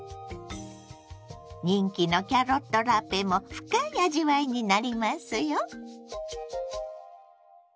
人気のキャロットラペも深い味わいになりますよ。